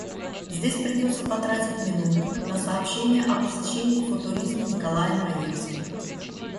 Здесь придётся потратить минуту на сообщение о посещении футуризма Николаем Раевским.